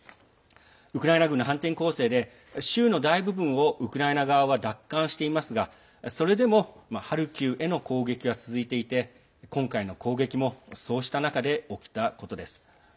ウクライナ軍の反転攻勢で州の大部分をウクライナ側は奪還していますがそれでもハルキウへの攻撃は続いていて今回の攻撃もそうした中で起きたことです。